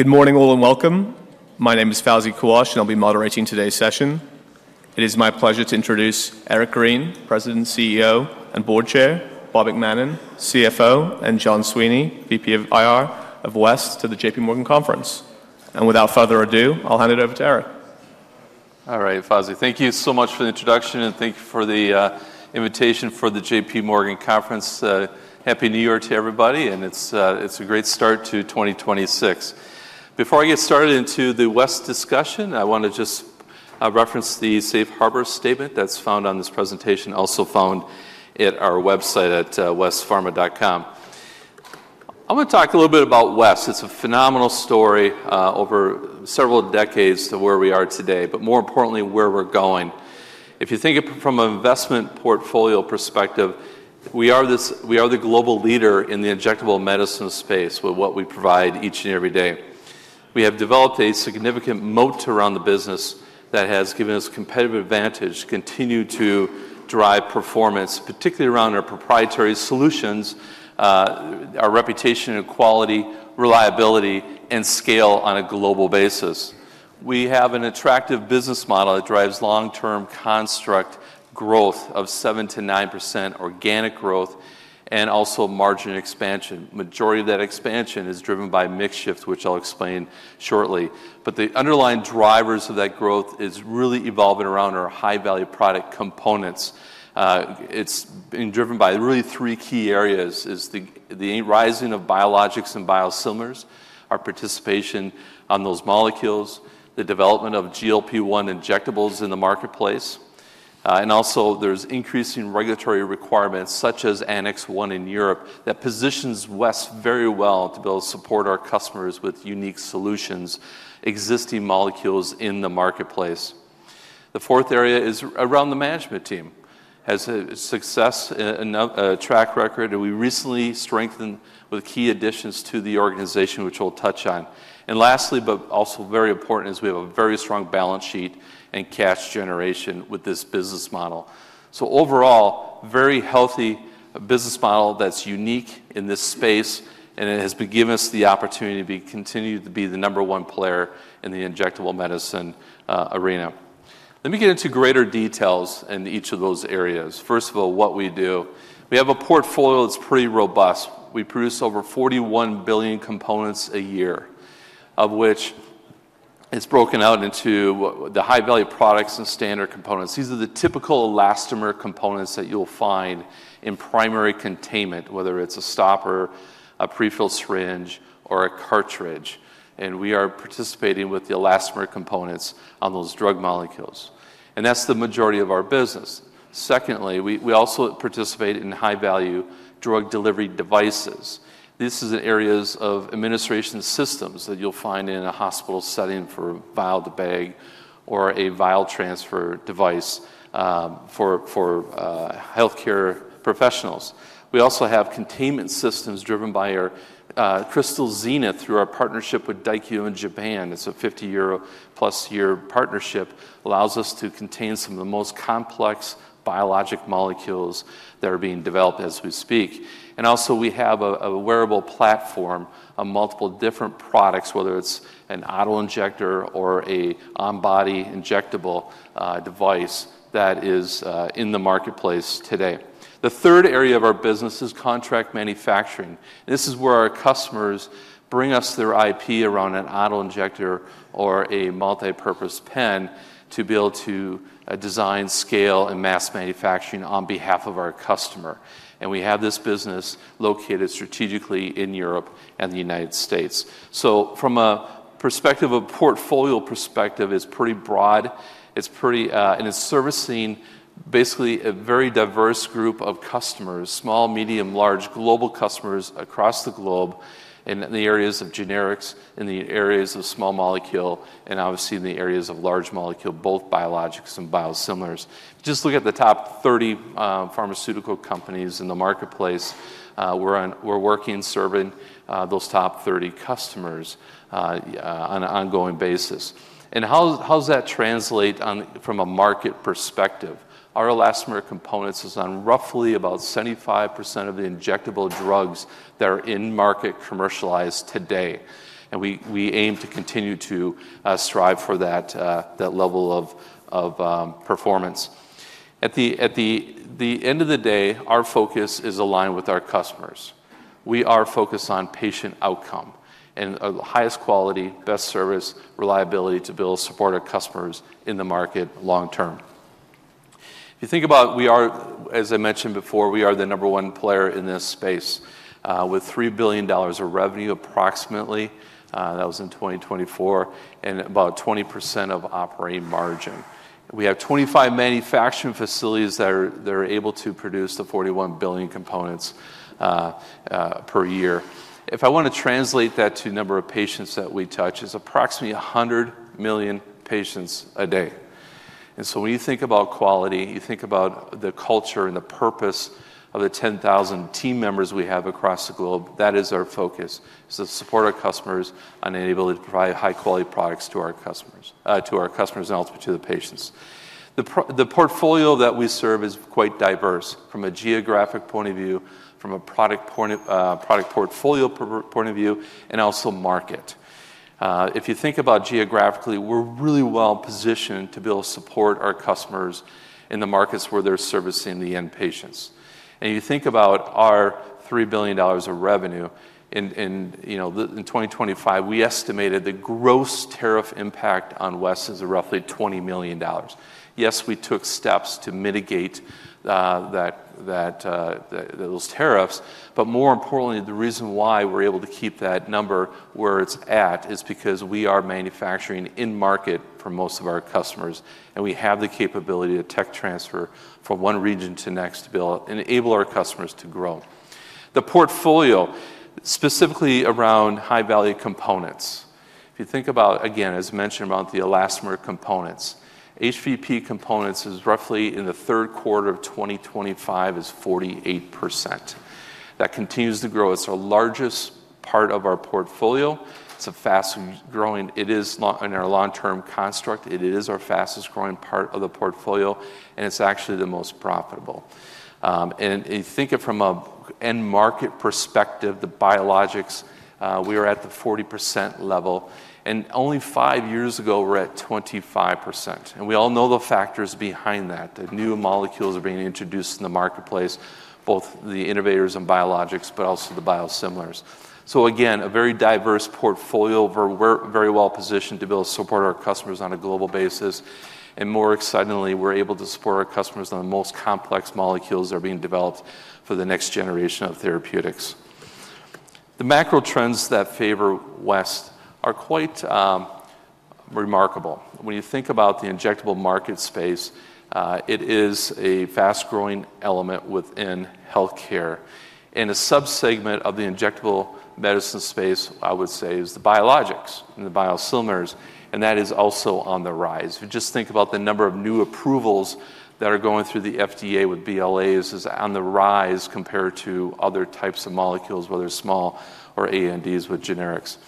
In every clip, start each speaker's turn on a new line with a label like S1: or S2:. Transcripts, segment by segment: S1: Good morning, all, and welcome. My name is Fawzi Kawash, and I'll be moderating today's session. It is my pleasure to introduce Eric Green, President, CEO, and Board Chair, Bob McMahon, CFO, and John Sweeney, VP of IR, of West to the J.P. Morgan Conference. Without further ado, I'll hand it over to Eric.
S2: All right, Fawzi, thank you so much for the introduction, and thank you for the invitation for the J.P. Morgan Conference. Happy New Year to everybody, and it's a great start to 2026. Before I get started into the West discussion, I want to just reference the Safe Harbor statement that's found on this presentation, also found at our website at westpharma.com. I want to talk a little bit about West. It's a phenomenal story over several decades to where we are today, but more importantly, where we're going. If you think of it from an investment portfolio perspective, we are the global leader in the injectable medicine space with what we provide each and every day. We have developed a significant moat around the business that has given us competitive advantage to continue to drive performance, particularly around our proprietary solutions, our reputation and quality, reliability, and scale on a global basis. We have an attractive business model that drives long-term construct growth of 7%-9% organic growth and also margin expansion. The majority of that expansion is driven by mix shift, which I'll explain shortly. But the underlying drivers of that growth are really evolving around our high-value product components. It's been driven by really three key areas: the rising of biologics and biosimilars, our participation on those molecules, the development of GLP-1 injectables in the marketplace, and also there's increasing regulatory requirements, such as Annex 1 in Europe, that positions West very well to be able to support our customers with unique solutions, existing molecules in the marketplace. The fourth area is around the management team. It has a success track record, and we recently strengthened with key additions to the organization, which we'll touch on, and lastly, but also very important, is we have a very strong balance sheet and cash generation with this business model, so overall, a very healthy business model that's unique in this space, and it has given us the opportunity to continue to be the number one player in the injectable medicine arena. Let me get into greater details in each of those areas. First of all, what we do: we have a portfolio that's pretty robust. We produce over 41 billion components a year, of which it's broken out into the high-value products and standard components. These are the typical elastomer components that you'll find in primary containment, whether it's a stopper, a prefilled syringe, or a cartridge. And we are participating with the elastomer components on those drug molecules. And that's the majority of our business. Secondly, we also participate in high-value drug delivery devices. These are the areas of administration systems that you'll find in a hospital setting for a vial-to-bag or a vial-transfer device for healthcare professionals. We also have containment systems driven by our Crystal Zenith through our partnership with Daikyo in Japan. It's a 50+ year partnership that allows us to contain some of the most complex biologic molecules that are being developed as we speak. And also, we have a wearable platform of multiple different products, whether it's an auto injector or an on-body injectable device that is in the marketplace today. The third area of our business is contract manufacturing. This is where our customers bring us their IP around an auto injector or a multi-purpose pen to be able to design, scale, and mass manufacturing on behalf of our customer, and we have this business located strategically in Europe and the United States, so from a perspective, a portfolio perspective, it's pretty broad. It's pretty, and it's servicing basically a very diverse group of customers: small, medium, large, global customers across the globe in the areas of generics, in the areas of small molecule, and obviously in the areas of large molecule, both biologics and biosimilars. Just look at the top 30 pharmaceutical companies in the marketplace. We're working, serving those top 30 customers on an ongoing basis, and how does that translate from a market perspective? Our elastomer components are on roughly about 75% of the injectable drugs that are in-market commercialized today. We aim to continue to strive for that level of performance. At the end of the day, our focus is aligned with our customers. We are focused on patient outcome and the highest quality, best service, reliability to be able to support our customers in the market long-term. If you think about, as I mentioned before, we are the number one player in this space with $3 billion of revenue approximately. That was in 2024, and about 20% of operating margin. We have 25 manufacturing facilities that are able to produce the 41 billion components per year. If I want to translate that to the number of patients that we touch, it's approximately 100 million patients a day. And so when you think about quality, you think about the culture and the purpose of the 10,000 team members we have across the globe. That is our focus: to support our customers and be able to provide high-quality products to our customers, to our customers, and ultimately to the patients. The portfolio that we serve is quite diverse from a geographic point of view, from a product portfolio point of view, and also market. If you think about geographically, we're really well positioned to be able to support our customers in the markets where they're servicing the end patients, and you think about our $3 billion of revenue, in 2025, we estimated the gross tariff impact on West is roughly $20 million. Yes, we took steps to mitigate those tariffs, but more importantly, the reason why we're able to keep that number where it's at is because we are manufacturing in-market for most of our customers, and we have the capability to tech transfer from one region to the next to be able to enable our customers to grow. The portfolio, specifically around high-value components, if you think about, again, as mentioned about the elastomer components, HVP components is roughly in the third quarter of 2025 is 48%. That continues to grow. It's our largest part of our portfolio. It's a fast-growing, it is in our long-term construct. It is our fastest-growing part of the portfolio, and it's actually the most profitable. And you think of from an end-market perspective, the biologics, we are at the 40% level. And only five years ago, we were at 25%. We all know the factors behind that. The new molecules are being introduced in the marketplace, both the innovators and biologics, but also the biosimilars. Again, a very diverse portfolio. We're very well positioned to be able to support our customers on a global basis. More excitingly, we're able to support our customers on the most complex molecules that are being developed for the next generation of therapeutics. The macro trends that favor West are quite remarkable. When you think about the injectable market space, it is a fast-growing element within healthcare. A subsegment of the injectable medicine space, I would say, is the biologics and the biosimilars, and that is also on the rise. If you just think about the number of new approvals that are going through the FDA with BLAs, it is on the rise compared to other types of molecules, whether small or ANDAs with generics.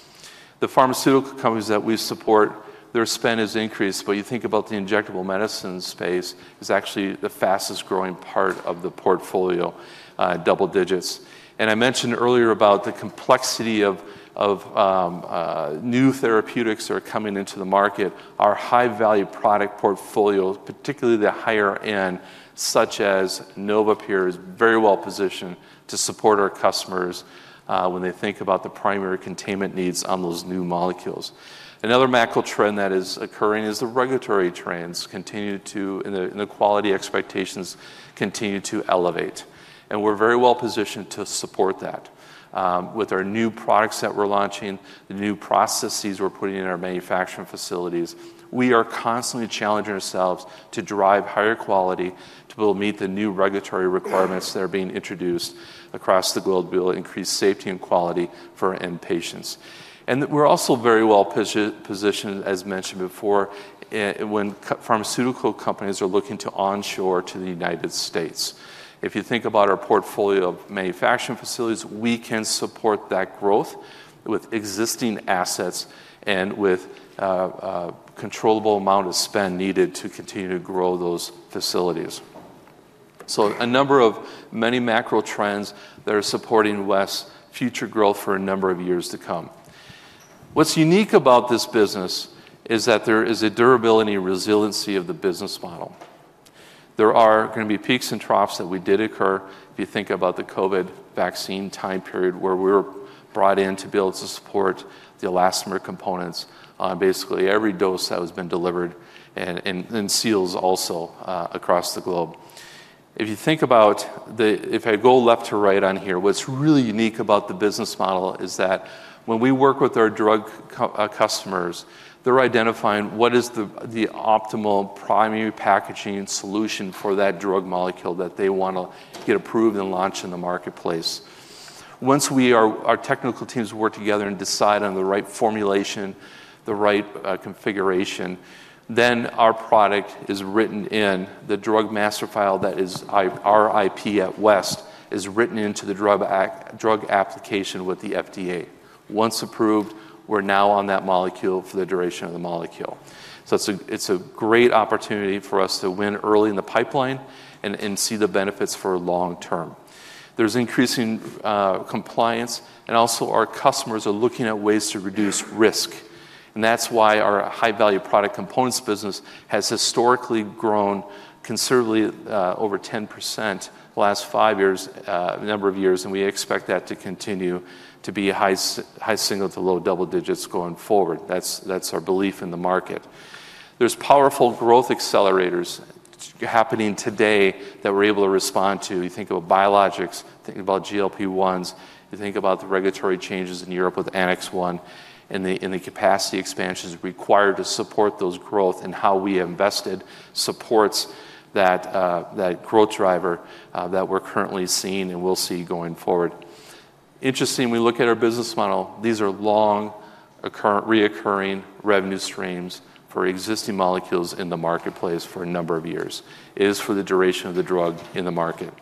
S2: The pharmaceutical companies that we support, their spend has increased, but you think about the injectable medicine space, it's actually the fastest-growing part of the portfolio, double digits, and I mentioned earlier about the complexity of new therapeutics that are coming into the market. Our high-value product portfolio, particularly the higher-end, such as NovaPure, is very well positioned to support our customers when they think about the primary containment needs on those new molecules. Another macro trend that is occurring is the regulatory trends continue to, and the quality expectations continue to elevate. And we're very well positioned to support that with our new products that we're launching, the new processes we're putting in our manufacturing facilities. We are constantly challenging ourselves to drive higher quality to be able to meet the new regulatory requirements that are being introduced across the globe to be able to increase safety and quality for end patients. And we're also very well positioned, as mentioned before, when pharmaceutical companies are looking to onshore to the United States. If you think about our portfolio of manufacturing facilities, we can support that growth with existing assets and with a controllable amount of spend needed to continue to grow those facilities. So a number of many macro trends that are supporting West's future growth for a number of years to come. What's unique about this business is that there is a durability and resiliency of the business model. There are going to be peaks and troughs that did occur. If you think about the COVID vaccine time period where we were brought in to be able to support the elastomer components on basically every dose that has been delivered and seals also across the globe. If I go left to right on here, what's really unique about the business model is that when we work with our drug customers, they're identifying what is the optimal primary packaging solution for that drug molecule that they want to get approved and launch in the marketplace. Once our technical teams work together and decide on the right formulation, the right configuration, then our product is written in the Drug Master File. That is, our IP at West is written into the drug application with the FDA. Once approved, we're now on that molecule for the duration of the molecule, so it's a great opportunity for us to win early in the pipeline and see the benefits for long term. There's increasing compliance, and also our customers are looking at ways to reduce risk, and that's why our high-value product components business has historically grown considerably over 10% the last five years, a number of years, and we expect that to continue to be high-single to low-double digits going forward. That's our belief in the market. There's powerful growth accelerators happening today that we're able to respond to. You think of biologics, think about GLP-1s, you think about the regulatory changes in Europe with Annex 1, and the capacity expansions required to support those growth and how we invested supports that growth driver that we're currently seeing and will see going forward. Interesting, we look at our business model. These are long recurring revenue streams for existing molecules in the marketplace for a number of years. It is for the duration of the drug in the market,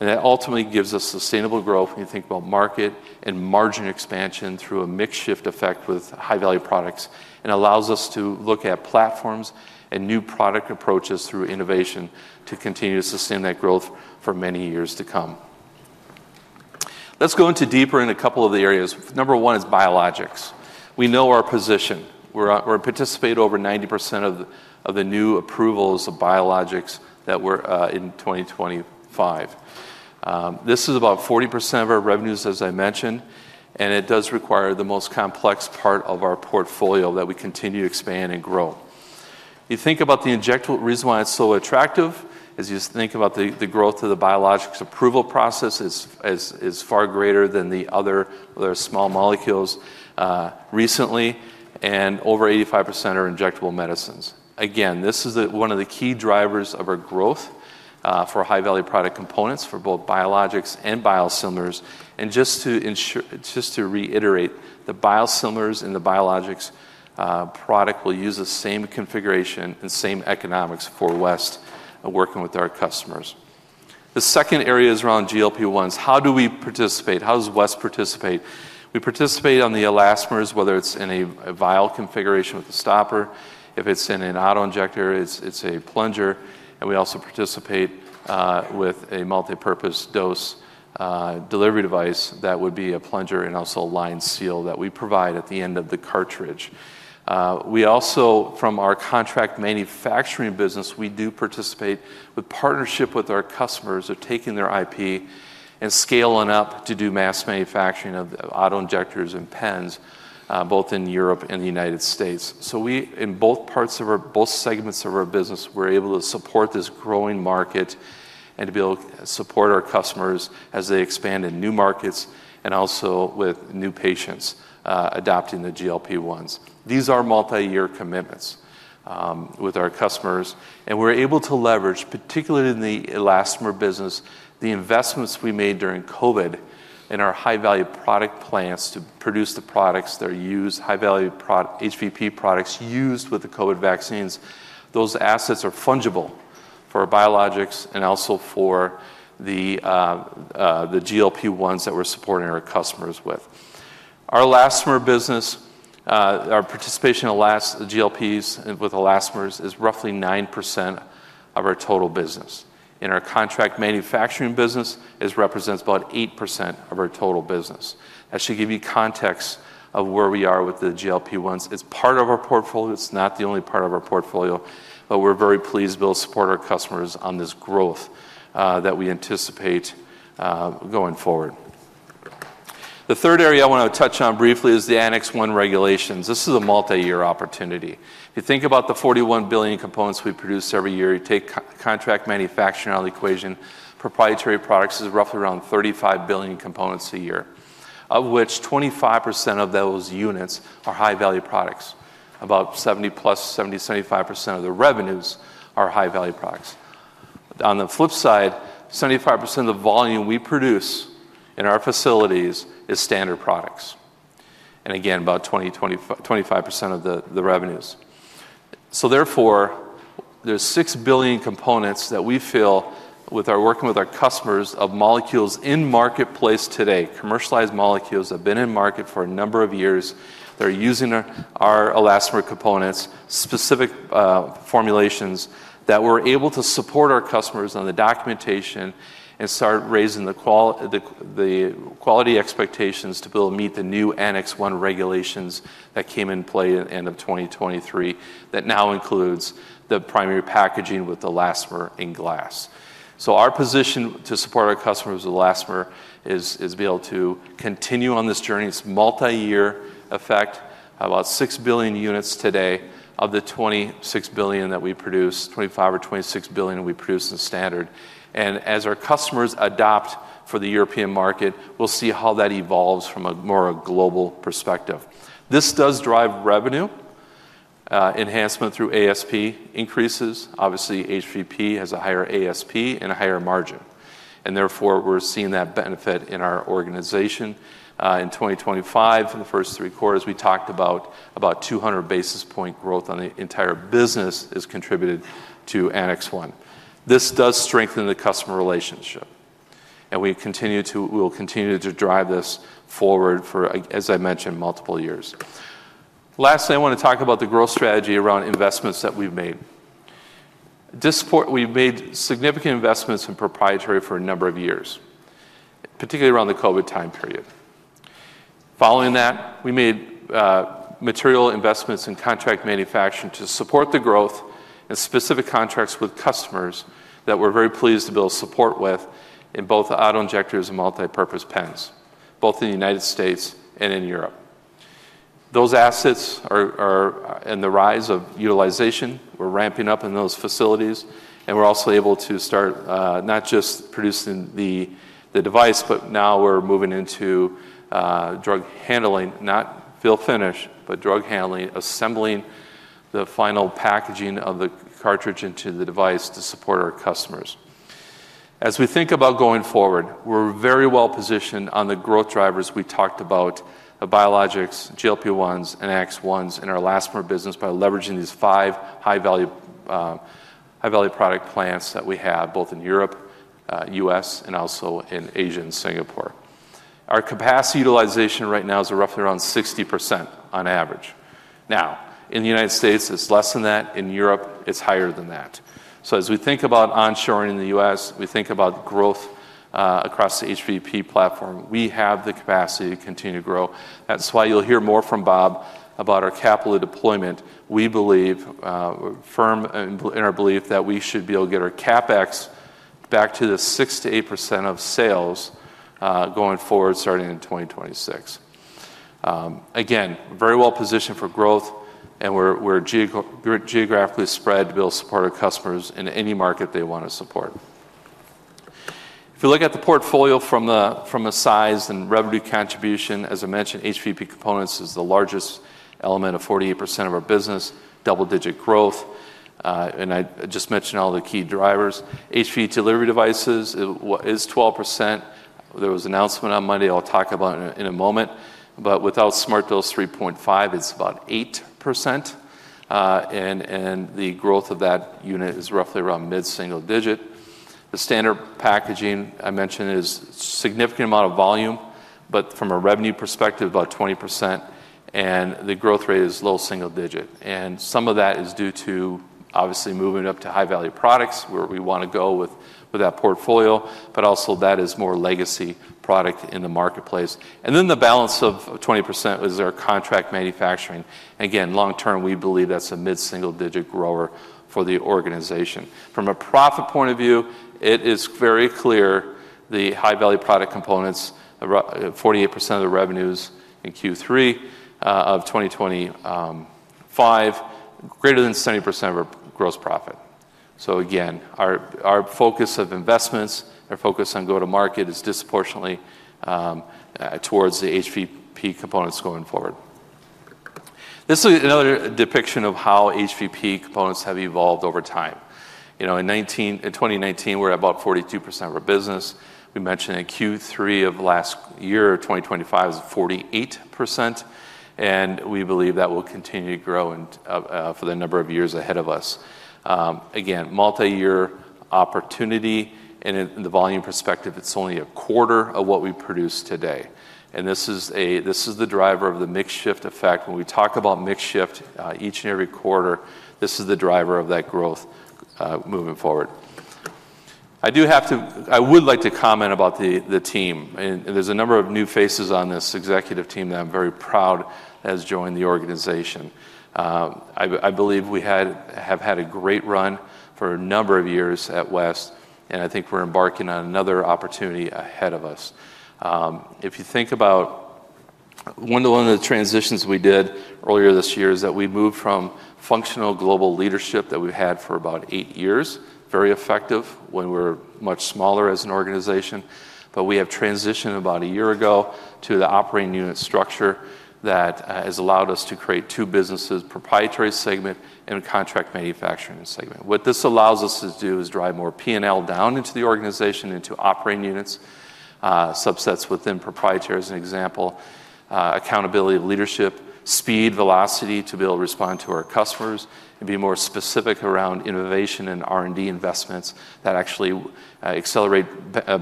S2: and that ultimately gives us sustainable growth when you think about market and margin expansion through a mixed shift effect with high-value products and allows us to look at platforms and new product approaches through innovation to continue to sustain that growth for many years to come. Let's go deeper into a couple of the areas. Number one is biologics. We know our position. We participate in over 90% of the new approvals of biologics that were in 2025. This is about 40% of our revenues, as I mentioned, and it does require the most complex part of our portfolio that we continue to expand and grow. You think about the injectable reason why it's so attractive. As you think about the growth of the biologics approval process, it's far greater than the other small molecules recently, and over 85% are injectable medicines. Again, this is one of the key drivers of our growth for high-value product components for both biologics and biosimilars. Just to reiterate, the biosimilars and the biologics product will use the same configuration and same economics for West working with our customers. The second area is around GLP-1s. How do we participate? How does West participate? We participate on the elastomers, whether it's in a vial configuration with a stopper, if it's in an auto injector, it's a plunger, and we also participate with a multi-purpose dose delivery device that would be a plunger and also a lined seal that we provide at the end of the cartridge. We also, from our contract manufacturing business, we do participate in partnership with our customers in taking their IP and scaling up to do mass manufacturing of auto injectors and pens, both in Europe and the United States. So we, in both parts of our business, both segments of our business, we are able to support this growing market and to be able to support our customers as they expand in new markets and also with new patients adopting the GLP-1s. These are multi-year commitments with our customers, and we are able to leverage, particularly in the elastomer business, the investments we made during COVID in our high-value product plants to produce the products that are used, high-value HVP products used with the COVID vaccines. Those assets are fungible for biologics and also for the GLP-1s that we are supporting our customers with. Our elastomer business, our participation in GLP-1s with elastomers is roughly 9% of our total business, and our contract manufacturing business represents about 8% of our total business. That should give you context of where we are with the GLP-1s. It's part of our portfolio. It's not the only part of our portfolio, but we're very pleased to be able to support our customers on this growth that we anticipate going forward. The third area I want to touch on briefly is the Annex 1 regulations. This is a multi-year opportunity. If you think about the 41 billion components we produce every year, you take contract manufacturing out of the equation, proprietary products is roughly around 35 billion components a year, of which 25% of those units are high-value products. About 70%+, 70%-75% of the revenues are high-value products. On the flip side, 75% of the volume we produce in our facilities is standard products. And again, about 25% of the revenues. So therefore, there's 6 billion components that we fill, working with our customers, of molecules in the marketplace today, commercialized molecules that have been in market for a number of years that are using our elastomer components, specific formulations that we're able to support our customers on the documentation and start raising the quality expectations to be able to meet the new Annex 1 regulations that came in play at the end of 2023 that now includes the primary packaging with elastomer and glass. So our position to support our customers with elastomer is to be able to continue on this journey. It's multi-year effect. About 6 billion units today of the 26 billion that we produce. 25 billion or 26 billion we produce in standard. As our customers adopt for the European market, we'll see how that evolves from a more global perspective. This does drive revenue enhancement through ASP increases. Obviously, HVP has a higher ASP and a higher margin. Therefore, we're seeing that benefit in our organization. In 2025, in the first three quarters, we talked about 200 basis point growth on the entire business is contributed to Annex 1. This does strengthen the customer relationship. We will continue to drive this forward for, as I mentioned, multiple years. Lastly, I want to talk about the growth strategy around investments that we've made. We've made significant investments in proprietary for a number of years, particularly around the COVID time period. Following that, we made material investments in contract manufacturing to support the growth and specific contracts with customers that we're very pleased to be able to support with in both auto injectors and multi-purpose pens, both in the United States and in Europe. Those assets are in the rise of utilization. We're ramping up in those facilities, and we're also able to start not just producing the device, but now we're moving into drug handling, not fill finish, but drug handling, assembling the final packaging of the cartridge into the device to support our customers. As we think about going forward, we're very well positioned on the growth drivers we talked about, the biologics, GLP-1s, and Annex 1s in our elastomer business by leveraging these five high-value product plants that we have both in Europe, U.S., and also in Asia and Singapore. Our capacity utilization right now is roughly around 60% on average. Now, in the United States, it's less than that. In Europe, it's higher than that. So as we think about onshoring in the U.S., we think about growth across the HVP platform. We have the capacity to continue to grow. That's why you'll hear more from Bob about our capital deployment. We believe, firm in our belief, that we should be able to get our CapEx back to the 6%-8% of sales going forward starting in 2026. Again, very well positioned for growth, and we're geographically spread to be able to support our customers in any market they want to support. If you look at the portfolio from a size and revenue contribution, as I mentioned, HVP components is the largest element of 48% of our business, double-digit growth. I just mentioned all the key drivers. HVP delivery devices is 12%. There was an announcement on Monday. I'll talk about it in a moment, but without SmartDose 3.5, it's about 8%. The growth of that unit is roughly around mid-single digit. The standard packaging I mentioned is a significant amount of volume, but from a revenue perspective, about 20%. The growth rate is low-single digit. Some of that is due to, obviously, moving up to high-value products where we want to go with that portfolio, but also that is more legacy product in the marketplace. Then the balance of 20% is our contract manufacturing. Again, long term, we believe that's a mid-single digit grower for the organization. From a profit point of view, it is very clear the high-value product components, 48% of the revenues in Q3 of 2025, greater than 70% of our gross profit, so again, our focus of investments, our focus on go-to-market is disproportionately towards the HVP components going forward. This is another depiction of how HVP components have evolved over time. In 2019, we were at about 42% of our business. We mentioned in Q3 of last year, 2025, is 48%, and we believe that will continue to grow for the number of years ahead of us. Again, multi-year opportunity, and in the volume perspective, it's only a quarter of what we produce today, and this is the driver of the mixed shift effect. When we talk about mixed shift each and every quarter, this is the driver of that growth moving forward. I do have to. I would like to comment about the team. There's a number of new faces on this executive team that I'm very proud has joined the organization. I believe we have had a great run for a number of years at West, and I think we're embarking on another opportunity ahead of us. If you think about one of the transitions we did earlier this year is that we moved from functional global leadership that we've had for about eight years, very effective when we were much smaller as an organization, but we have transitioned about a year ago to the operating unit structure that has allowed us to create two businesses, proprietary segment and contract manufacturing segment. What this allows us to do is drive more P&L down into the organization, into operating units, subsets within proprietary as an example, accountability of leadership, speed, velocity to be able to respond to our customers and be more specific around innovation and R&D investments that actually accelerate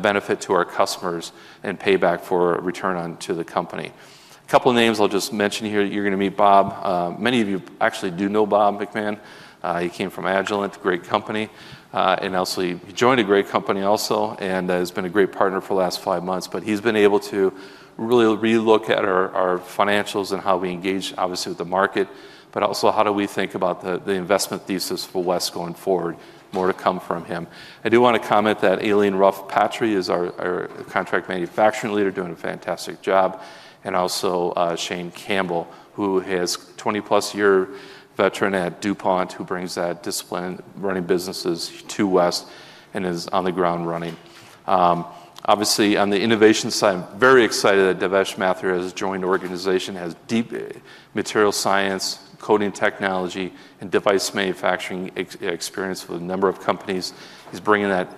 S2: benefit to our customers and payback for return on to the company. A couple of names I'll just mention here that you're going to meet Bob. Many of you actually do know Bob McMahon. He came from Agilent, a great company. And also, he joined a great company also and has been a great partner for the last five months. But he's been able to really relook at our financials and how we engage, obviously, with the market, but also how do we think about the investment thesis for West going forward, more to come from him. I do want to comment that Aileen Ruff-Patry is our Contract Manufacturing Leader, doing a fantastic job, and also Shane Campbell, who has 20+ year veteran at DuPont, who brings that discipline running businesses to West and is on the ground running. Obviously, on the innovation side, I'm very excited that Devesh Mathur has joined the organization, has deep material science, coating technology, and device manufacturing experience with a number of companies. He's bringing that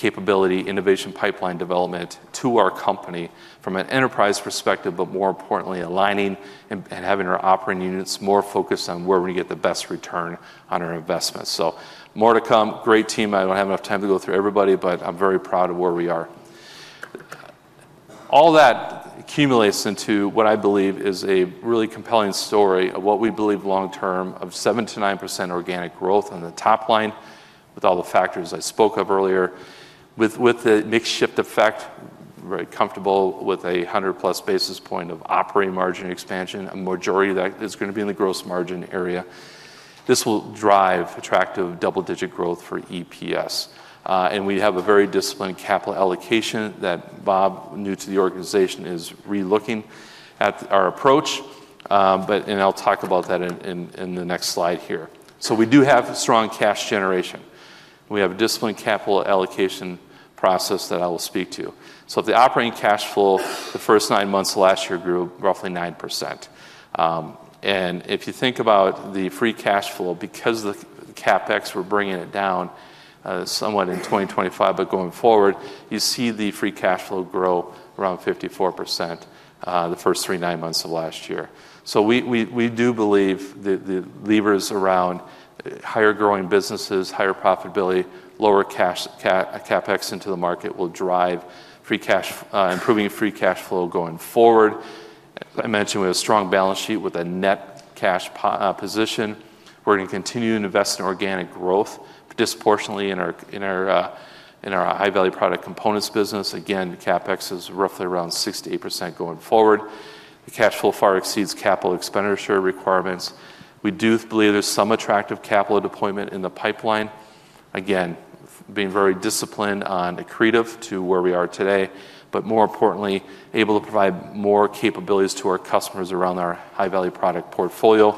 S2: capability, innovation pipeline development to our company from an enterprise perspective, but more importantly, aligning and having our operating units more focused on where we get the best return on our investments. So more to come. Great team. I don't have enough time to go through everybody, but I'm very proud of where we are. All that accumulates into what I believe is a really compelling story of what we believe long term of 7%-9% organic growth on the top line with all the factors I spoke of earlier. With the mixed shift effect, very comfortable with a 100+ basis points of operating margin expansion, a majority of that is going to be in the gross margin area. This will drive attractive double-digit growth for EPS. We have a very disciplined capital allocation that Bob, new to the organization, is relooking at our approach, and I'll talk about that in the next slide here. So we do have strong cash generation. We have a disciplined capital allocation process that I will speak to. So the operating cash flow, the first nine months of last year grew roughly 9%. And if you think about the free cash flow, because the CapEx, we're bringing it down somewhat in 2025, but going forward, you see the free cash flow grow around 54% the first three, nine months of last year. So we do believe that the levers around higher growing businesses, higher profitability, lower CapEx into the market will drive improving free cash flow going forward. As I mentioned, we have a strong balance sheet with a net cash position. We're going to continue to invest in organic growth disproportionately in our high-value product components business. Again, CapEx is roughly around 68% going forward. The cash flow far exceeds capital expenditure requirements. We do believe there's some attractive capital deployment in the pipeline. Again, being very disciplined on accretive to where we are today, but more importantly, able to provide more capabilities to our customers around our high-value product portfolio.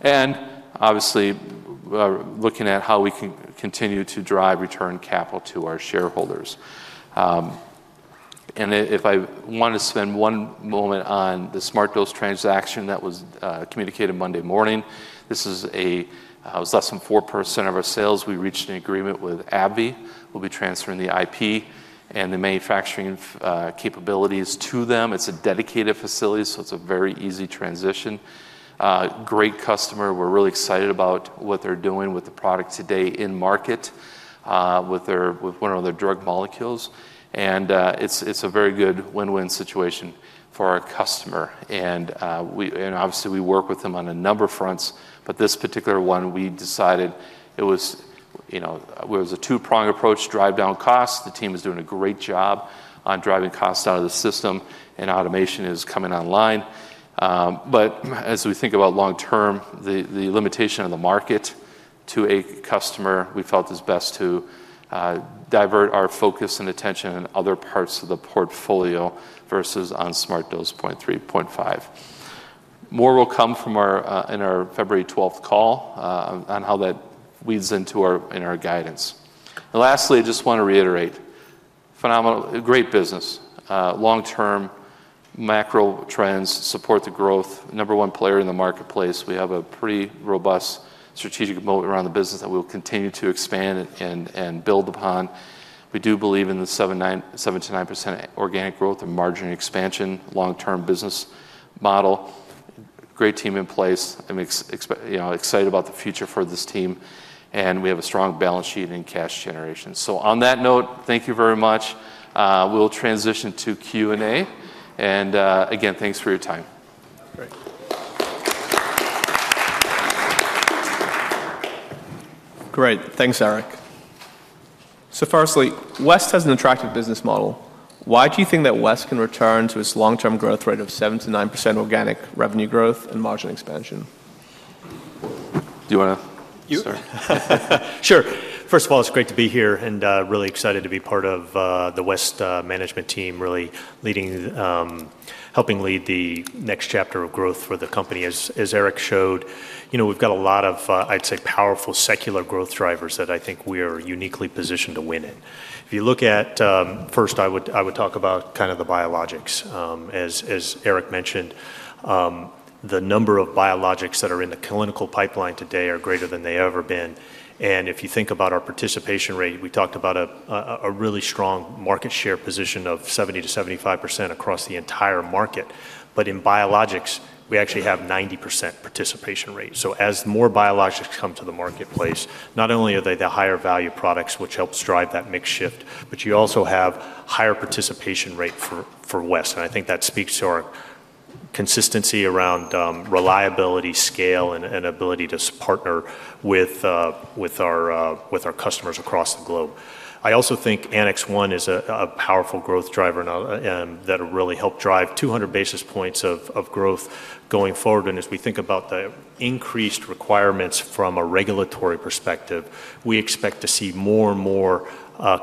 S2: And obviously, looking at how we can continue to drive return capital to our shareholders. And if I want to spend one moment on the SmartDose transaction that was communicated Monday morning, this is a, it was less than 4% of our sales. We reached an agreement with AbbVie. We'll be transferring the IP and the manufacturing capabilities to them. It's a dedicated facility, so it's a very easy transition. Great customer. We're really excited about what they're doing with the product today in market with one of their drug molecules. And it's a very good win-win situation for our customer. Obviously, we work with them on a number of fronts, but this particular one, we decided it was a two-prong approach, drive down costs. The team is doing a great job on driving costs out of the system, and automation is coming online. But as we think about long term, the limitation of the market to a customer, we felt it's best to divert our focus and attention in other parts of the portfolio versus on SmartDose 0.3, 0.5. More will come in our February 12th call on how that feeds into our guidance. And lastly, I just want to reiterate, phenomenal, great business. Long term, macro trends support the growth. Number one player in the marketplace. We have a pretty robust strategic moat around the business that we will continue to expand and build upon. We do believe in the 7%-9% organic growth and margin expansion, long-term business model. Great team in place. I'm excited about the future for this team. And we have a strong balance sheet and cash generation. So on that note, thank you very much. We'll transition to Q&A. And again, thanks for your time.
S1: Great. Thanks, Eric. So firstly, West has an attractive business model. Why do you think that West can return to its long-term growth rate of 7%-9% organic revenue growth and margin expansion?
S2: Do you want to?
S3: You. Sure. First of all, it's great to be here and really excited to be part of the West management team, really helping lead the next chapter of growth for the company. As Eric showed, we've got a lot of, I'd say, powerful secular growth drivers that I think we are uniquely positioned to win in. If you look at, first, I would talk about kind of the biologics. As Eric mentioned, the number of biologics that are in the clinical pipeline today are greater than they've ever been. And if you think about our participation rate, we talked about a really strong market share position of 70%-75% across the entire market. But in biologics, we actually have 90% participation rate. So as more biologics come to the marketplace, not only are they the higher value products, which helps drive that mixed shift, but you also have a higher participation rate for West. And I think that speaks to our consistency around reliability, scale, and ability to partner with our customers across the globe. I also think Annex 1 is a powerful growth driver that will really help drive 200 basis points of growth going forward. And as we think about the increased requirements from a regulatory perspective, we expect to see more and more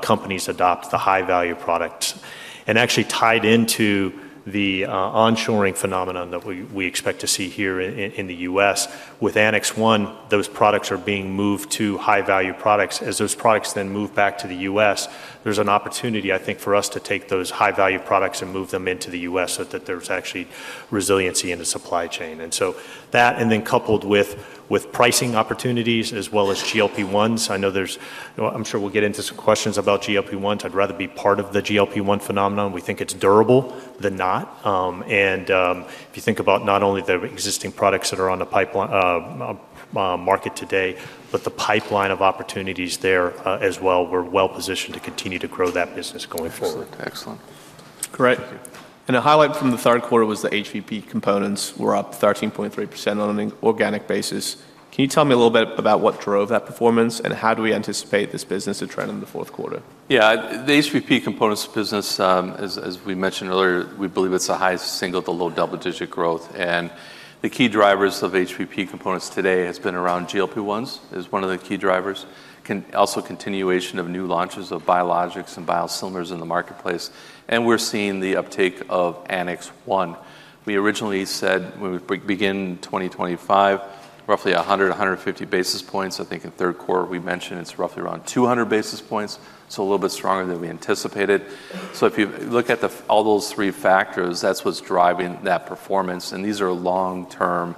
S3: companies adopt the high-value products. And actually tied into the onshoring phenomenon that we expect to see here in the U.S., with Annex 1, those products are being moved to high-value products. As those products then move back to the U.S., there's an opportunity, I think, for us to take those high-value products and move them into the U.S. so that there's actually resiliency in the supply chain. And so that, and then coupled with pricing opportunities as well as GLP-1s. I know there's, I'm sure we'll get into some questions about GLP-1s. I'd rather be part of the GLP-1 phenomenon. We think it's durable than not. And if you think about not only the existing products that are on the market today, but the pipeline of opportunities there as well, we're well positioned to continue to grow that business going forward.
S1: Excellent. Great. And a highlight from the third quarter was the HVP components were up 13.3% on an organic basis. Can you tell me a little bit about what drove that performance and how do we anticipate this business to trend in the fourth quarter?
S2: Yeah. The HVP components business, as we mentioned earlier, we believe it's a high-single- to low-double-digit growth. And the key drivers of HVP components today have been around GLP-1s as one of the key drivers, also continuation of new launches of biologics and biosimilars in the marketplace. And we're seeing the uptake of Annex 1. We originally said when we begin 2025, roughly 100-150 basis points. I think in third quarter, we mentioned it's roughly around 200 basis points, so a little bit stronger than we anticipated. So if you look at all those three factors, that's what's driving that performance. And these are long-term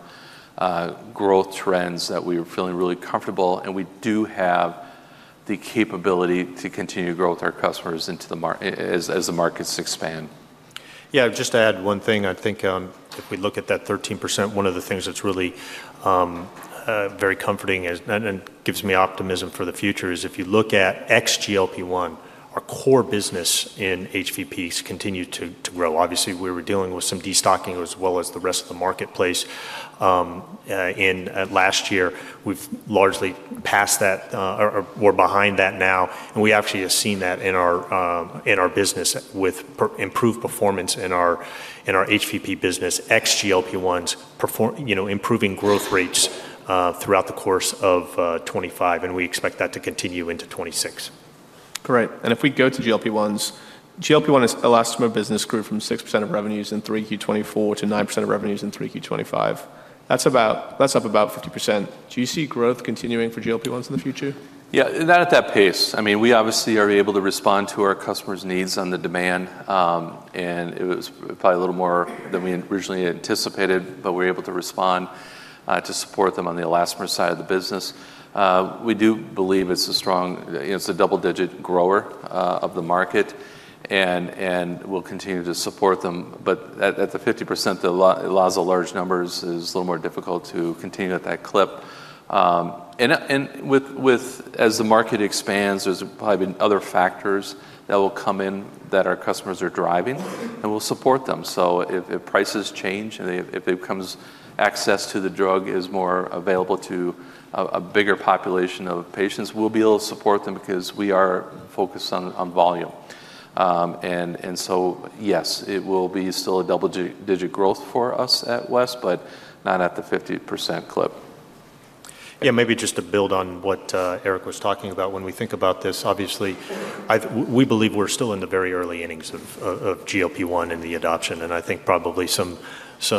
S2: growth trends that we are feeling really comfortable. And we do have the capability to continue to grow with our customers as the markets expand.
S3: Yeah. Just to add one thing, I think if we look at that 13%, one of the things that's really very comforting and gives me optimism for the future is if you look at ex-GLP-1, our core business in HVPs continued to grow. Obviously, we were dealing with some destocking as well as the rest of the marketplace. And last year, we've largely passed that or we're behind that now. And we actually have seen that in our business with improved performance in our HVP business, ex-GLP-1s, improving growth rates throughout the course of 2025. And we expect that to continue into 2026.
S1: Great. And if we go to GLP-1s, GLP-1's elastomer business grew from 6% of revenues in 3Q24 to 9% of revenues in 3Q25. That's up about 50%. Do you see growth continuing for GLP-1s in the future?
S2: Yeah. Not at that pace. I mean, we obviously are able to respond to our customers' needs on the demand, and it was probably a little more than we originally anticipated, but we're able to respond to support them on the elastomer side of the business. We do believe it's a strong, it's a double-digit grower of the market and will continue to support them, but at the 50%, the last large numbers is a little more difficult to continue at that clip, and as the market expands, there's probably been other factors that will come in that our customers are driving and will support them, so if prices change, if it becomes access to the drug is more available to a bigger population of patients, we'll be able to support them because we are focused on volume. And so, yes, it will be still a double-digit growth for us at West, but not at the 50% clip.
S3: Yeah. Maybe just to build on what Eric was talking about, when we think about this, obviously, we believe we're still in the very early innings of GLP-1 and the adoption. And I think probably there's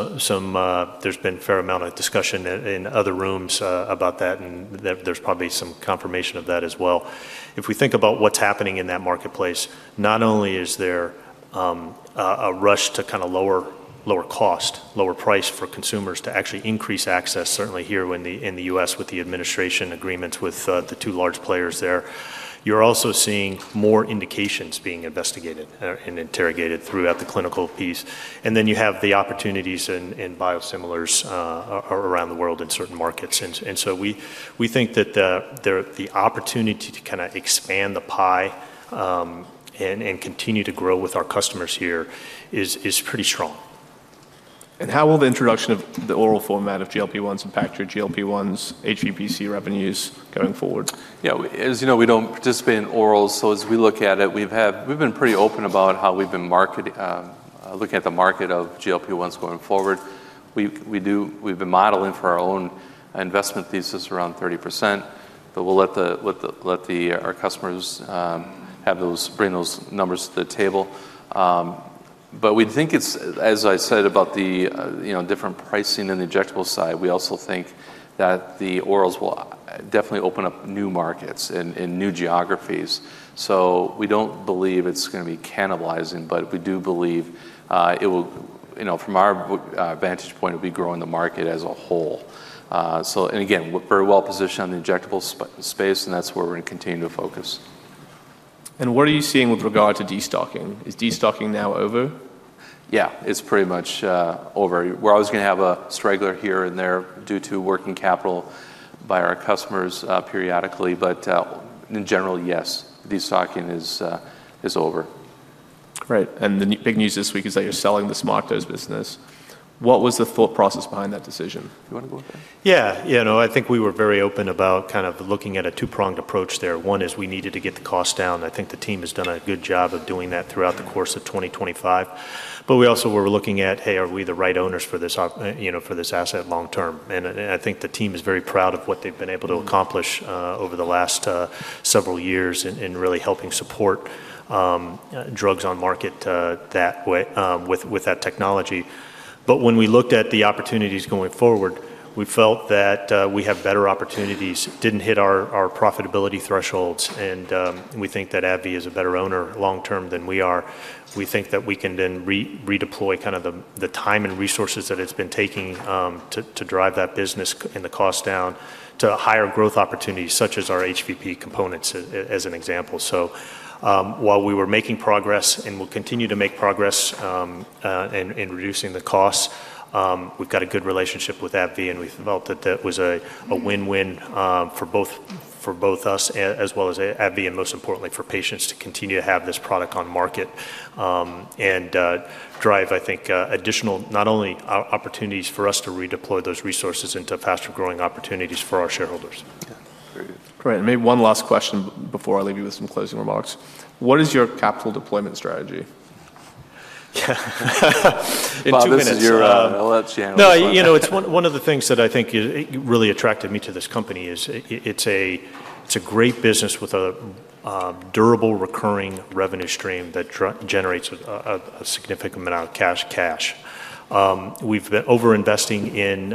S3: been a fair amount of discussion in other rooms about that, and there's probably some confirmation of that as well. If we think about what's happening in that marketplace, not only is there a rush to kind of lower cost, lower price for consumers to actually increase access, certainly here in the U.S. with the administration agreements with the two large players there, you're also seeing more indications being investigated and interrogated throughout the clinical piece. And then you have the opportunities in biosimilars around the world in certain markets. And so we think that the opportunity to kind of expand the pie and continue to grow with our customers here is pretty strong.
S1: How will the introduction of the oral format of GLP-1s impact your GLP-1s HVP revenues going forward?
S2: Yeah. As you know, we don't participate in orals. So as we look at it, we've been pretty open about how we've been looking at the market of GLP-1s going forward. We've been modeling for our own investment thesis around 30%, but we'll let our customers bring those numbers to the table. But we think it's, as I said about the different pricing and the injectable side, we also think that the orals will definitely open up new markets and new geographies. So we don't believe it's going to be cannibalizing, but we do believe it will, from our vantage point, it will be growing the market as a whole. And again, we're very well positioned on the injectable space, and that's where we're going to continue to focus.
S1: What are you seeing with regard to destocking? Is destocking now over?
S2: Yeah. It's pretty much over. We're always going to have a straggler here and there due to working capital by our customers periodically. But in general, yes, destocking is over.
S1: Great. And the big news this week is that you're selling the SmartDose business. What was the thought process behind that decision?
S2: Do you want to go with that?
S3: Yeah. You know, I think we were very open about kind of looking at a two-pronged approach there. One is we needed to get the cost down. I think the team has done a good job of doing that throughout the course of 2025. But we also were looking at, hey, are we the right owners for this asset long term? And I think the team is very proud of what they've been able to accomplish over the last several years in really helping support drugs on market that way with that technology. But when we looked at the opportunities going forward, we felt that we have better opportunities, didn't hit our profitability thresholds, and we think that AbbVie is a better owner long term than we are. We think that we can then redeploy kind of the time and resources that it's been taking to drive that business and the cost down to higher growth opportunities, such as our HVP components as an example. So while we were making progress and will continue to make progress in reducing the costs, we've got a good relationship with AbbVie, and we felt that that was a win-win for both us as well as AbbVie and most importantly, for patients to continue to have this product on market and drive, I think, additional not only opportunities for us to redeploy those resources into faster growing opportunities for our shareholders.
S2: Great.
S1: Great. Maybe one last question before I leave you with some closing remarks. What is your capital deployment strategy?
S3: No, you know, it's one of the things that I think really attracted me to this company is it's a great business with a durable recurring revenue stream that generates a significant amount of cash. We've been over-investing in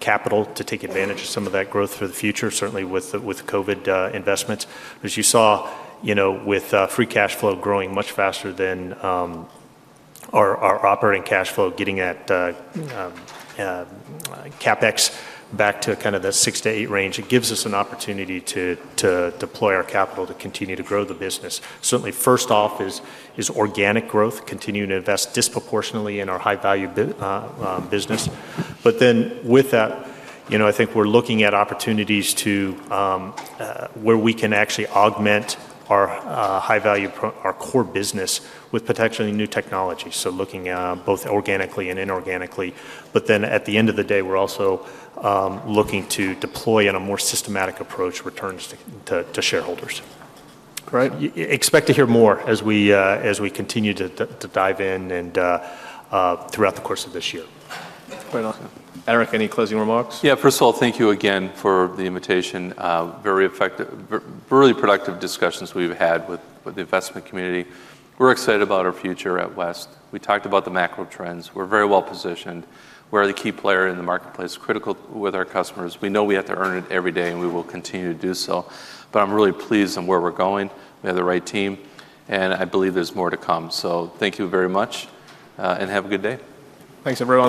S3: capital to take advantage of some of that growth for the future, certainly with COVID investments. As you saw with free cash flow growing much faster than our operating cash flow, getting that CapEx back to kind of the 6%-8% range, it gives us an opportunity to deploy our capital to continue to grow the business. Certainly, first off is organic growth, continuing to invest disproportionately in our high-value business. But then with that, I think we're looking at opportunities where we can actually augment our high-value, our core business with potentially new technologies. So looking at both organically and inorganically. But then at the end of the day, we're also looking to deploy in a more systematic approach returns to shareholders. Expect to hear more as we continue to dive in and throughout the course of this year.
S1: That's quite awesome. Eric, any closing remarks?
S2: Yeah. First of all, thank you again for the invitation. Very productive discussions we've had with the investment community. We're excited about our future at West. We talked about the macro trends. We're very well positioned. We're the key player in the marketplace, critical with our customers. We know we have to earn it every day, and we will continue to do so. But I'm really pleased on where we're going. We have the right team. And I believe there's more to come. So thank you very much, and have a good day.
S1: Thanks, everyone.